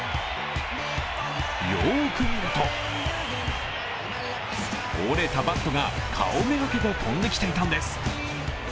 よーく見ると、折れたバットが顔めがけて飛んできていたんです。